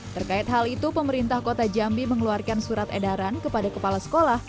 terkait hal itu pemerintah kota jambi mengeluarkan surat edaran kepada kepala sekolah